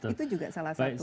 itu juga salah satu